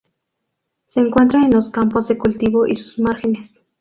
Se encuentra en los campos de cultivo y sus márgenes.